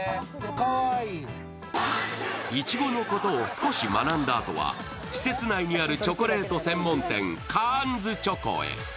いちごのことを少し学んだあとは施設内にあるチョコレート専門店、ＱｕｉｎｚｅＣｈｏｃｏへ。